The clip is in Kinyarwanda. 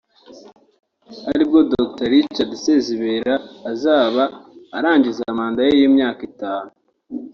aribwo Dr Richard Sezibera azaba arangiza manda ye y’imyaka itanu